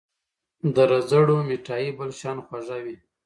د رځړو مټايي بل شان خوږه وي